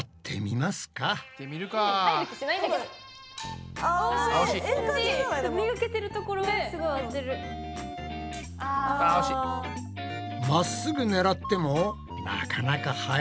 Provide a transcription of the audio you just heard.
まっすぐ狙ってもなかなか入らないルナ。